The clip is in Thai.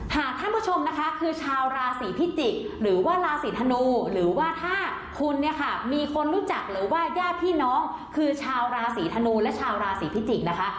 หากท่านผู้ชมนะคะคือชาวราศีพิจิกษ์หรือว่าราศีธนูหรือว่าถ้าคุณเนี่ยค่ะมีคนรู้จักหรือว่าญาติพี่น้องคือชาวราศีธนูและชาวราศีพิจิกษ์นะคะ